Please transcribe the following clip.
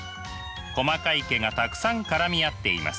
細かい毛がたくさん絡み合っています。